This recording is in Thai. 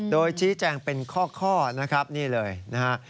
โดยชี้แจงเป็นข้อนะครับนี่เลยนะฮะ